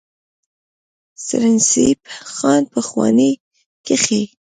سرنزېب خان پۀ ځوانۍ کښې